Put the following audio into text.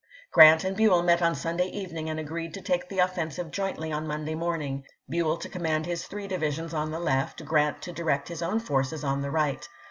Grant and Buell met on Sunday evening and agreed to take the offensive jointly on Monday morning ; Buell to command his three divisions on the left. Grant to direct his own forces on the right.